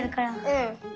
うん。